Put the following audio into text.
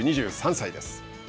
２３歳です。